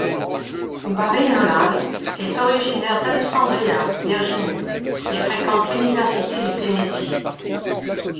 Barry Nolan est originaire d'Alexandria, Virginie et fréquente l'Université du Tennessee.